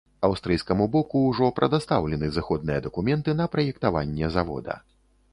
Аўстрыйскаму боку ўжо прадастаўлены зыходныя дакументы на праектаванне завода.